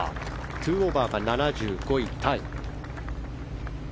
２オーバーが７５位タイ。